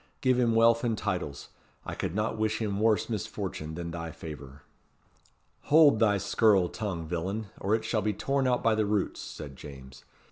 Give him wealth and titles. I could not wish him worse misfortune than thy favour." "Hold thy scurril tongue, villain, or it shall be torn out by the roots," said James.